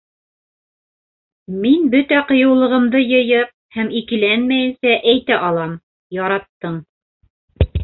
Мин бөтә ҡыйыулығымды йыйып һәм икеләнмәйенсә әйтә алам - яраттың.